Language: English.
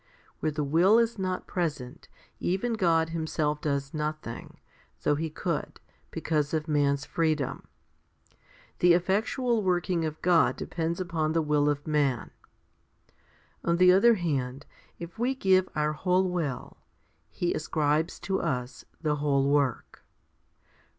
Where the will is not present, even God Himself does nothing, though He could, because of man's freedom. The effectual working of God depends upon the will of man. On the other hand, if we give our whole will, He ascribes to us the whole work.